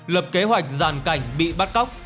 lập kế hoạch giàn cảnh bị bắt cóc